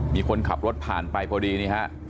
มีคนขับรถผ่านไปพอดีนี่ฮะ